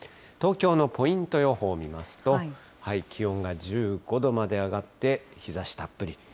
東京のポイント予報見ますと、気温が１５度まで上がって、日ざしたっぷり。